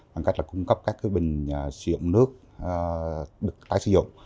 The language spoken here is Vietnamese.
bằng cách là cung cấp các bình sử dụng nước được tái sử dụng